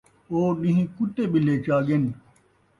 او ݙینہہ کتے ٻلے چا ڳن